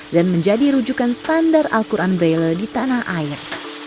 dan menjadi rujukan standar al qur'an braille di tanah air